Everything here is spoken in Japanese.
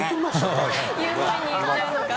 言う前に言っちゃうのか。